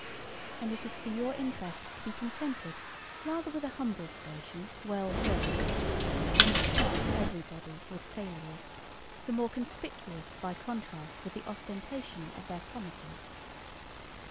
And it is for your interest to be contented rather with a humble station well filled, than to shock every body with failures, the more conspicuous by contrast with the ostentation of their promises."